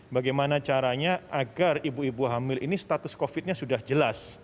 bagaimana caranya agar ibu ibu hamil ini status covid nya sudah jelas